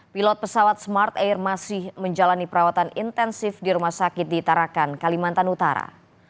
pilot pesawat smart air masih menjalani perawatan intensif di rumah sakit di tarakan kalimantan utara